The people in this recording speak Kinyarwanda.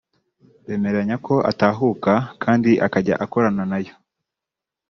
bemeranya ko atahuka kandi akazajya akorana nayo